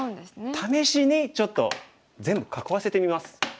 試しにちょっと全部囲わせてみます。